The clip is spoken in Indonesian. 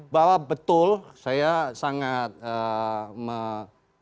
bahwa betul saya sangat mendukung